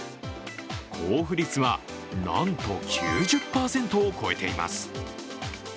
交付率はなんと９０％を超えています。